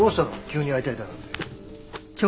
急に会いたいだなんて。